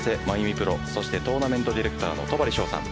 プロそしてトーナメントディレクターの戸張捷さん